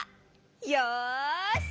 よし。